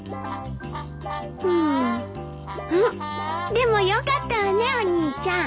でもよかったわねお兄ちゃん。